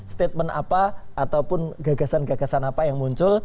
statement apa ataupun gagasan gagasan apa yang muncul